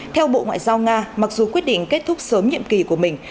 theo bộ ngoại giao nga mặc dù quyết định kết thúc sớm nhiệm kỳ của mình